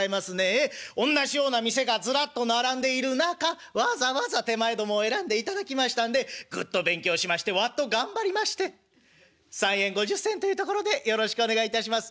おんなしような店がずらっと並んでいる中わざわざ手前どもを選んでいただきましたんでぐっと勉強しましてわっと頑張りまして３円５０銭というところでよろしくお願いいたします」。